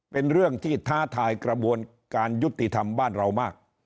เป็นเรื่องที่ท้าทายกระบวนการยุติธรรมบ้านเรามาก